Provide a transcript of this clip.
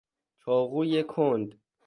چاقوی کند